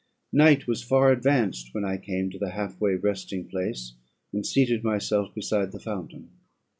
Night was far advanced, when I came to the half way resting place, and seated myself beside the fountain.